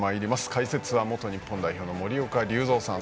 解説は元日本代表森岡隆三さん